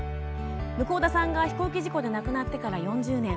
向田さんが飛行機事故で亡くなってから４０年。